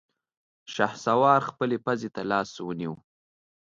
شهسوار خپلې پزې ته لاس ونيو.